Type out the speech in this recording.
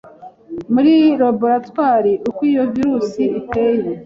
muri laboratoire uko iyo virusi iteye,